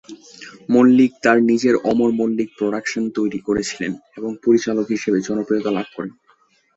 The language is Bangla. মল্লিক তার নিজের অমর মল্লিক প্রোডাকশন তৈরি করেছিলেন এবং পরিচালক হিসেবে জনপ্রিয়তা লাভ করেন।